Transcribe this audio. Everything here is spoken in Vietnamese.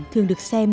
thường được xem